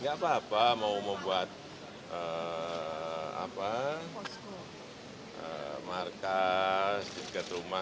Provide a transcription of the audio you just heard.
enggak apa apa mau membuat markas di dekat rumah